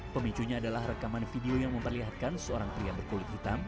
pemicunya adalah rekaman video yang memperlihatkan seorang pria berkulit hitam